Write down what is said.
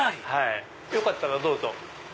よかったらどうぞ。